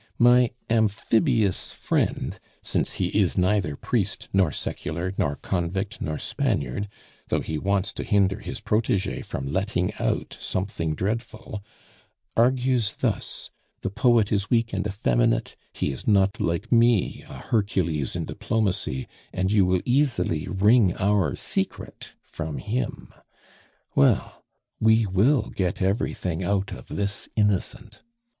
My amphibious friend since he is neither priest, nor secular, nor convict, nor Spaniard, though he wants to hinder his protege from letting out something dreadful argues thus: 'The poet is weak and effeminate; he is not like me, a Hercules in diplomacy, and you will easily wring our secret from him.' Well, we will get everything out of this innocent."